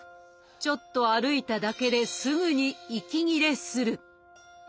ちょっと歩いただけですぐに息切れする。